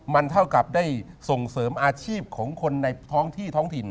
มันเท่ากับได้ส่งเสริมอาชีพของคนในท้องที่ท้องถิ่น